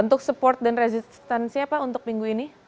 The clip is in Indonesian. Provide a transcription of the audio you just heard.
untuk support dan resistansi apa untuk minggu ini